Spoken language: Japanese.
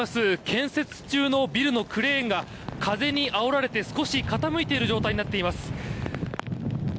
建設中のビルのクレーンが風にあおられて少し傾いている状態になっています。